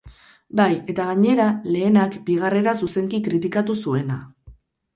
Bai, eta gainera, lehenak bigarrena zuzenki kritikatu zuena.